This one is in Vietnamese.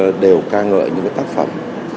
và chúng tôi đều ca ngợi những tác phẩm